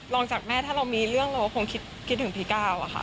จากแม่ถ้าเรามีเรื่องเราก็คงคิดถึงพี่ก้าวอะค่ะ